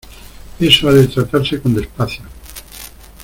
eso ha de tratarse con despacio.